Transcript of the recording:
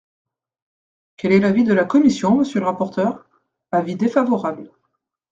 Quel est l’avis de la commission, monsieur le rapporteur ? Avis défavorable.